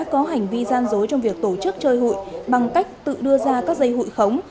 có hành vi gian dối trong việc tổ chức chơi hụi bằng cách tự đưa ra các dây hụi khống